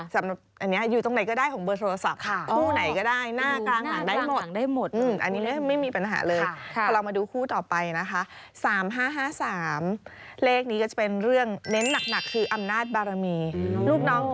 สำหรับอันนี้อยู่ตรงไหนก็ได้ของเบอร์โทรศัพท์